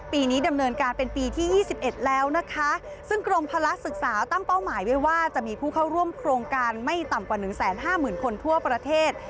ปีนี้ดำเนินการเป็นปีที่๒๑แล้วนะคะซึ่งกรมภาระศึกษาตั้งเป้าหมายไว้ว่าจะมีผู้เข้าร่วมโครงการไม่ต่ำกว่าหนึ่งแสนห้าหมื่นคนทั่วประเทศ